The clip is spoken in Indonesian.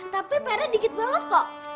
tapi pera dikit banget kok